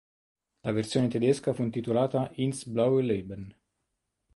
La versione tedesca fu intitolata "Ins blaue Leben".